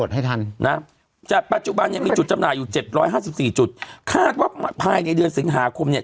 ให้ทันนะจากปัจจุบันยังมีจุดจำหน่ายอยู่เจ็ดร้อยห้าสิบสี่จุดคาดว่าภายในเดือนสิงหาคมเนี่ย